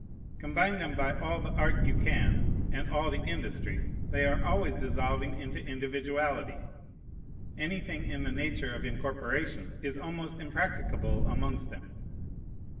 Combine them by all the art you can, and all the industry, they are always dissolving into individuality. Anything in the nature of incorporation is almost impracticable amongst them.